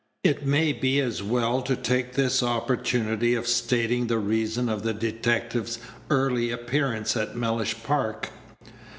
It may be as well to take this opportunity of stating the reason of the detective's early appearance at Mellish Park.